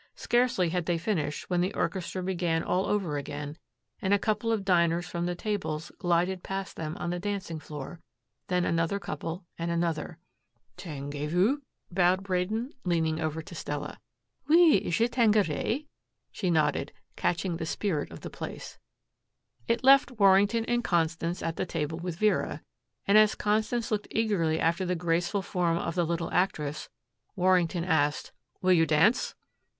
Scarcely had they finished when the orchestra began all over again, and a couple of diners from the tables glided past them on the dancing floor, then another couple and another. "Tanguez vous?" bowed Braden, leaning over to Stella. "Oui, je tanguerai," she nodded, catching the spirit of the place. It left Warrington and Constance at the table with Vera, and as Constance looked eagerly after the graceful form of the little actress, Warrington asked, "Will you dance!"